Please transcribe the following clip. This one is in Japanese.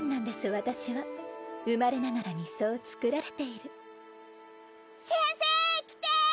私は生まれながらにそうつくられている先生来て！